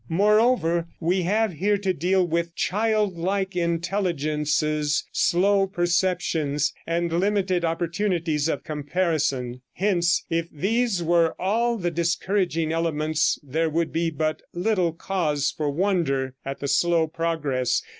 Moreover, we have here to deal with childlike intelligences, slow perceptions, and limited opportunities of comparison. Hence if these were all the discouraging elements there would be but little cause for wonder at the slow progress.